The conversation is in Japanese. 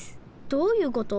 どういうこと？